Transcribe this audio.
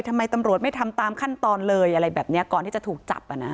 ทำไมตำรวจไม่ทำตามขั้นตอนเลยอะไรแบบนี้ก่อนที่จะถูกจับอ่ะนะ